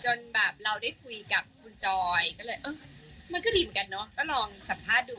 จนแบบเราได้คุยกับคุณจอยก็เลยเออมันก็ดีเหมือนกันเนาะก็ลองสัมภาษณ์ดู